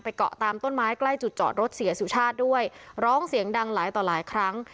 เกาะตามต้นไม้ใกล้จุดจอดรถเสียสุชาติด้วยร้องเสียงดังหลายต่อหลายครั้ง